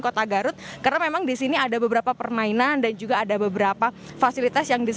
kota garut karena memang di sini ada beberapa permainan dan juga ada beberapa fasilitas yang